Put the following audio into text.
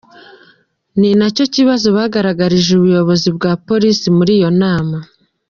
Ni nacyo kibazo bagaragarije ubuyobozi bwa Police muri iyo nama.